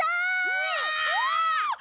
うわ！